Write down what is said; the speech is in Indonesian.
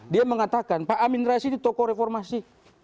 dia mengatakan pak amin rais ini tokoh reformasi